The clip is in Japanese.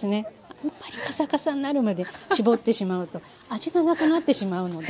あんまりカサカサになるまで搾ってしまうと味がなくなってしまうので。